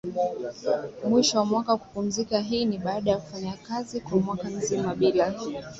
mwisho wa mwaka Kupumzika hii ni baada ya kufanya kazi kwa mwaka mzima bila